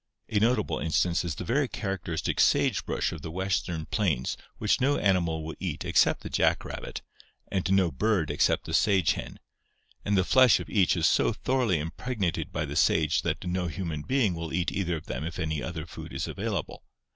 A notable instance is the very characteristic sage brush of the western plains which no animal will eat except the jack rabbit and no bird except the sage hen, and the flesh of each is so thor oughly impregnated by the sage that no human being will eat either of them if any other food is available.